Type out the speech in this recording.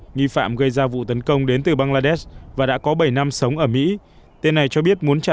nghi phạm gây ra vụ tấn công đến từ bangladesh và đã có bảy năm sống ở mỹ tên này cho biết muốn trả